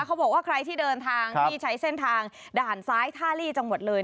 เขาบอกว่าใครที่เดินทางที่ใช้เส้นทางด่านซ้ายท่าลีจังหวัดเลย